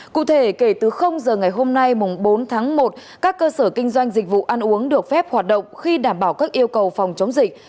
cụ thể kể từ giờ ngày hôm nay bốn tháng một các cơ sở kinh doanh dịch vụ ăn uống được phép hoạt động khi đảm bảo các yêu cầu phòng chống dịch